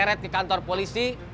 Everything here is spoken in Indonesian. seret di kantor polisi